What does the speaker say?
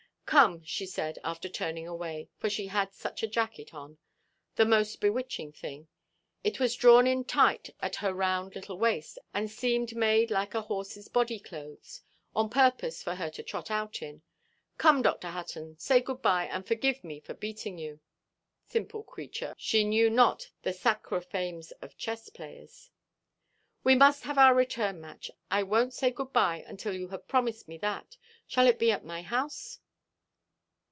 "Come," she said, after turning away, for she had such a jacket on—the most bewitching thing; it was drawn in tight at her round little waist, and seemed made like a horseʼs body–clothes, on purpose for her to trot out in,—"come, Dr. Hutton, say good–bye, and forgive me for beating you." Simple creature, of course she knew not the "sacra fames" of chess–players. "We must have our return–match. I wonʼt say 'good–bye' until you have promised me that. Shall it be at my house?"